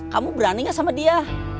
kamu berani gak sama dia